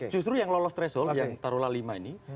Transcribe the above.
justru yang lolos threshold yang taruhlah lima ini